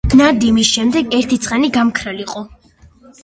ნადიმის შემდეგ ერთი ცხენი გამქრალიყო.